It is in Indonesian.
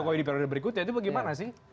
kalau berikutnya itu bagaimana sih